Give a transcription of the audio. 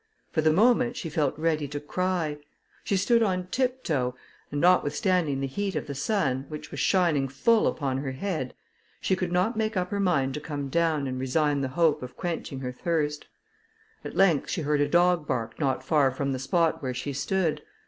For the moment, she felt ready to cry; she stood on tiptoe, and notwithstanding the heat of the sun, which was shining full upon her head, she could not make up her mind to come down and resign the hope of quenching her thirst. At length she heard a dog bark not far from the spot where she stood.